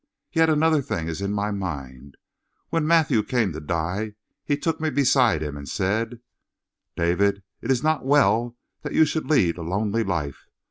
Yet another thing is in my mind. When Matthew came to die he took me beside him and said: "'David, it is not well that you should lead a lonely life.